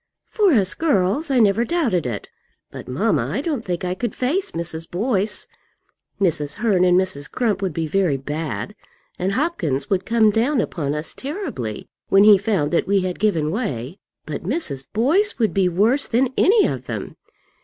"For us girls, I never doubted it. But, mamma, I don't think I could face Mrs. Boyce. Mrs. Hearn and Mrs. Crump would be very bad, and Hopkins would come down upon us terribly when he found that we had given way. But Mrs. Boyce would be worse than any of them.